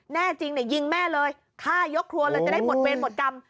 แน่จริงยิงแม่เลยฆ่ายกครัวเลยจะได้หมดเวรหมดกรรม